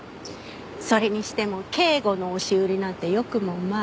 それにしても警護の押し売りなんてよくもまあ。